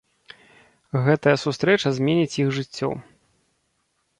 Гэтая сустрэча зменіць іх жыццё.